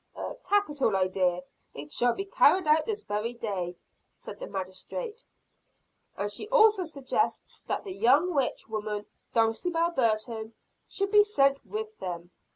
"A capital idea! It shall be carried out this very day," said the magistrate. "And she also suggests that the young witch woman, Dulcibel Burton, should be sent with them.